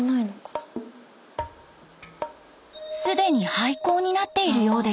すでに廃校になっているようです。